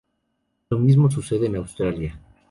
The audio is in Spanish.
Lo mismo sucede en Australia.